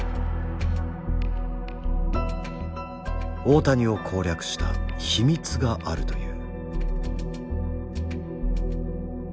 大谷を攻略した秘密があるという。